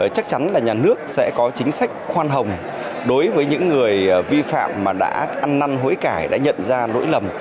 chắc chắn là nhà nước sẽ có chính sách khoan hồng đối với những người vi phạm mà đã ăn năn hối cải đã nhận ra lỗi lầm